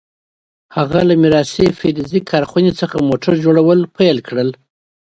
هغه له میراثي فلزي کارخونې څخه موټر جوړول پیل کړل.